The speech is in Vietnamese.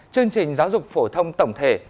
chương trình giáo dục phổ thông tổng thể